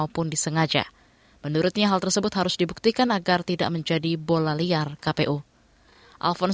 pertama kali kita berkahwin